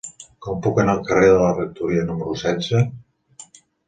Com puc anar al carrer de la Rectoria número setze?